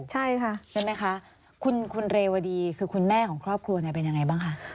ได้ไหมค่ะคุณคุณเรวดีคุณแม่ของครอบครัวเป็นยังไงบ้างค่ะ